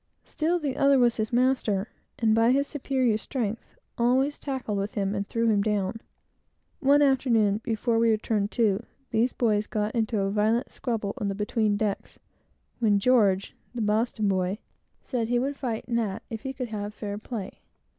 Still, the other was his master, and, by his superior strength, always tackled with him and threw him down. One afternoon, before we were turned to, these boys got into a violent squabble in the between decks, when George (the Boston boy) said he would fight Nat, if he could have fair play.